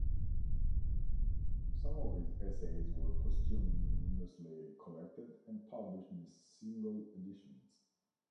Some of his essays were posthumously collected and published in single editions.